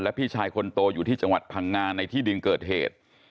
พี่ชายคนโตอยู่ที่จังหวัดพังงาในที่ดินเกิดเหตุ